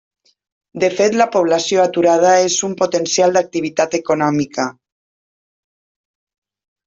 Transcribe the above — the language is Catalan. De fet la població aturada és un potencial d'activitat econòmica.